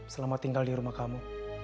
selamat tinggal di rumah kamu